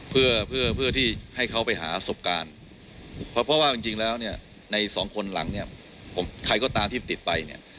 เพื่อเพื่อที่ให้เขาไปหาสบการณ์เพราะว่าจริงแล้วเนี่ยในสองคนหลังเนี่ยใครก็ตามที่ติดไปเนี่ย